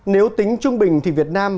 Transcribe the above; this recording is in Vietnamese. nếu tính trung bình thì việt nam